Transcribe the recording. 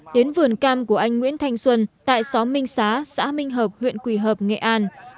đến vườn cam của anh nguyễn thanh xuân tại xóm minh xá xã minh hợp huyện quỳ hợp nghệ an